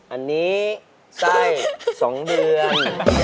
อันนี้ไส้๒เดือน